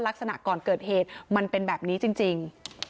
ลักษณะก่อนเกิดเหตุมันเป็นแบบนี้จริง